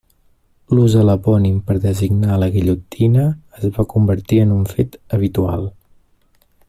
L'ús de l'epònim per designar la guillotina es va convertir en un fet habitual.